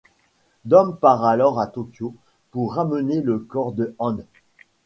Dom part alors à Tokyo pour ramener le corps de Han.